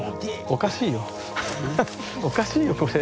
おかしいよこれ。